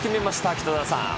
北澤さん。